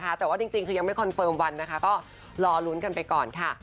แต่ว่าจริงคือยังไม่คอนเฟิร์มวันนะคะก็รอลุ้นกันไปก่อนค่ะ